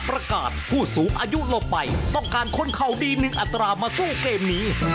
ประกาศผู้สูว์อายุลงไปต้องการคนเขาดี๑อันตรามาสู่เกมนี้